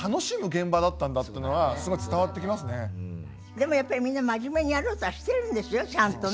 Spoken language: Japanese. でもやっぱりみんな真面目にやろうとはしてるんですよちゃんとね。